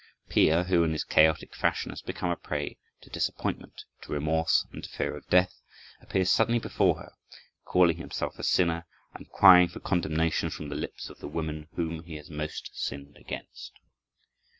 Peer, who in his chaotic fashion has become a prey to disappointment, to remorse, and to fear of death, appears suddenly before her, calling himself a sinner and crying for condemnation from the lips of the woman whom he has most sinned against.